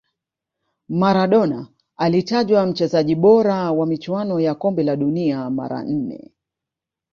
maradona alitajwa mchezaji bora wa michuano ya kombe la dunia mara nne